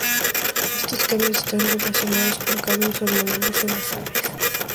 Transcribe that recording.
Estos cambios están relacionados con cambios hormonales en las aves.